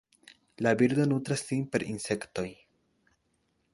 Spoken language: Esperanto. La birdo nutras sin per insektoj.